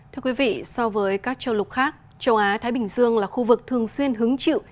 thưa quý vị so với các châu lục khác châu á thái bình dương là khu vực thường xuyên hứng chịu